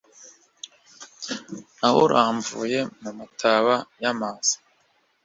Nawuramvuye mu mataba ya Maza